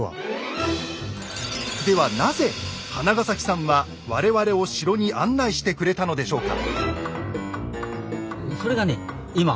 ではなぜ花ケ前さんは我々を城に案内してくれたのでしょうか。